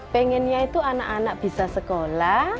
pengennya itu anak anak bisa sekolah